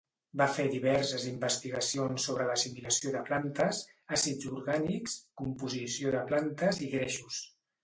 Va fer diverses investigacions sobre l'assimilació de plantes, àcids orgànics, composició de les plantes i greixos.